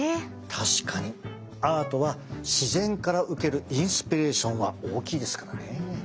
確かにアートは自然から受けるインスピレーションは大きいですからね。